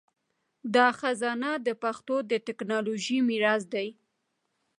دا خزانه د پښتو د ټکنالوژۍ میراث دی.